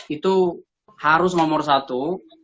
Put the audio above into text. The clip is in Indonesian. itu harus nomor satu